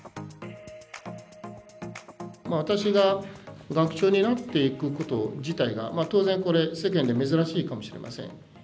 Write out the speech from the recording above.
私が学長になっていくこと自体が当然これ世間で珍しいかもしれません。